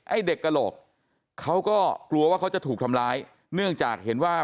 ไอ้เด็กกระโหลกเขาก็กลัวว่าเขาจะถูกทำร้ายเนื่องจากเห็นว่า